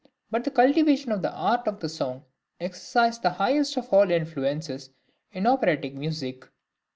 But the cultivation of the art of song exercised the highest of all influences on operatic music.